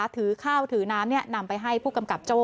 ถือข้าวถือน้ำนำไปให้ผู้กำกับโจ้